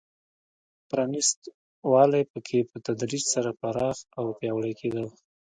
پرانېست والی په کې په تدریج سره پراخ او پیاوړی کېده.